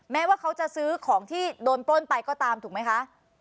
แม้ว่าเขาจะซื้อของที่โดนปล้นไปก็ตามถูกไหมคะ